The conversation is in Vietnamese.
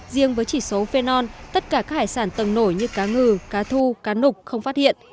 riêng với chỉ số phenol tất cả các hải sản tầng nổi như cá ngừ cá thu cá nục không phát hiện